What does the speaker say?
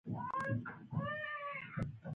په دې ديوان کې يوازې دردناک غزلونه او نظمونه دي